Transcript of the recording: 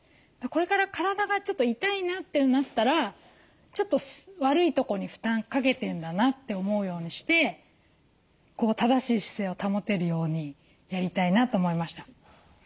これから体がちょっと痛いなってなったらちょっと悪いとこに負担かけてんだなって思うようにして正しい姿勢を保てるようにやりたいなと思いました。